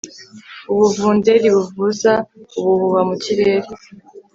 ubuvunderi buvuza ubuhuha mu kirere